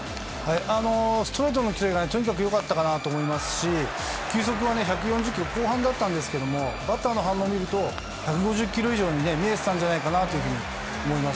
ストレートのキレがとにかく良かったかなと思いますし球速は１４０キロ後半だったんですけどバッターの反応を見ると１５０キロ以上に見えていたんじゃないかなと思います。